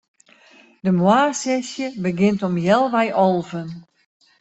De moarnssesje begjint om healwei alven.